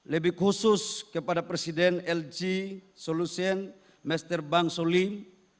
lebih khusus kepada presiden lg solusen mester bang solim